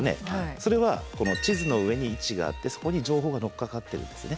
それは地図の上に位置があってそこに情報が載っかかってるんですね。